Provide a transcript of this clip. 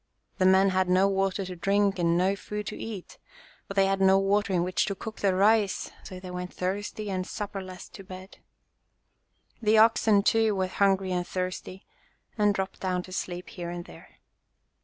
The men had no water to drink and no food to eat, for they had no water in which to cook their rice, so they went thirsty and supperless to bed. The oxen, too, were hungry and thirsty and dropped down to sleep here and there.